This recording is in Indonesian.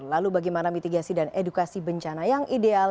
lalu bagaimana mitigasi dan edukasi bencana yang ideal